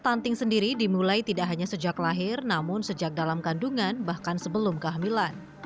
stunting sendiri dimulai tidak hanya sejak lahir namun sejak dalam kandungan bahkan sebelum kehamilan